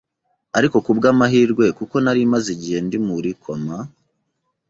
ariko kubwa’amahirwe kuko nari maze igihe ndi muri koma